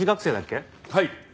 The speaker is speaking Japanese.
はい。